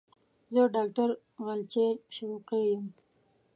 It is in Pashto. زه ډاکټر غزلچی شوقی یم